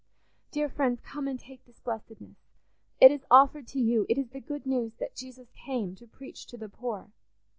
"Dear friends, come and take this blessedness; it is offered to you; it is the good news that Jesus came to preach to the poor.